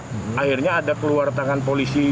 akhirnya ada keluar tangan polisi